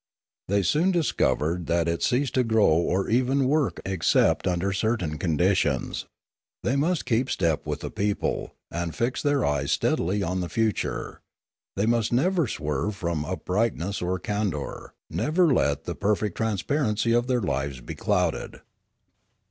They soon discovered that it ceased to grow or even 302 Limanora work except under certain conditions; they must keep step with the people, and fix their eyes steadily on the future: they must never swerve from uprightness or candour, never let the perfect transparency of their lives be clouded.